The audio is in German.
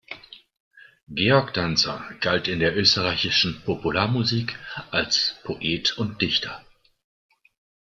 Georg Danzer galt in der österreichischen Popularmusik als "Poet und Dichter".